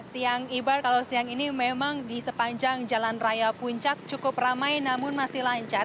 siang ibar kalau siang ini memang di sepanjang jalan raya puncak cukup ramai namun masih lancar